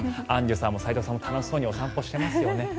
アンジュさんも斎藤さんも楽しそうに散歩してますよね。